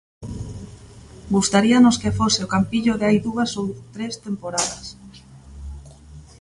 Gustaríanos que fose o Campillo de hai dúas ou tres temporadas.